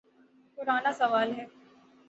پرانا سوال ہے۔